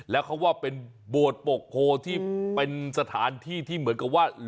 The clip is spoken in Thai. แล้วเขาว่าเป็นโบสถ์ปกโพที่เป็นสถานที่ที่เหมือนกับว่า